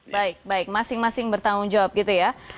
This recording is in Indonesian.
baik baik masing masing bertanggung jawab gitu ya